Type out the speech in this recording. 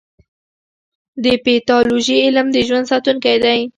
د پیتالوژي علم د ژوند ساتونکی دی.